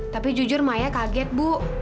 tapi jujur maya kaget bu